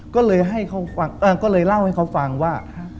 ก็เลยเล่าให้เขาฟังว่า